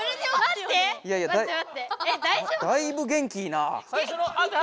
だいぶ元気いいな。